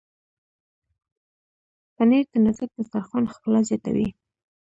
پنېر د نازک دسترخوان ښکلا زیاتوي.